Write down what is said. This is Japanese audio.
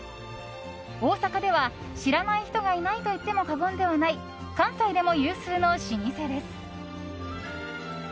大阪では知らない人がいないといっても過言ではない関西でも有数の老舗です。